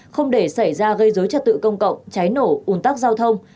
không để xảy ra gây dối trật tự công cộng cháy nổ ồn tắc giao thông